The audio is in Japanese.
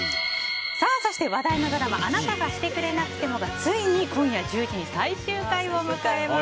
そして、話題のドラマ「あなたがしてくれなくても」がついに今夜１０時に最終回を迎えます。